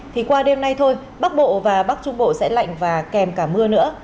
thì qua đêm nay thôi bắc bộ và bắc trung bộ sẽ lạnh và kèm cả mưa nữa